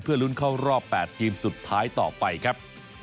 เพื่อลุ้นเข้ารอบแปดทีมสุดท้ายต่อไปครับ